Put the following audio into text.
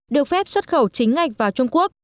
được phép xuất khẩu chính ngạch vào trung quốc